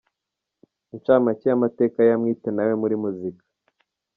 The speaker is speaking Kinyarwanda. Inshamake y’amateka ya Mwitenawe muri muzika.